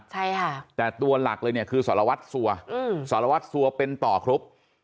ใช่ค่ะแต่ตัวหลักเลยเนี่ยคือสารวัฒน์ซัวร์สารวัฒน์ซัวร์เป็นต่อครุฟ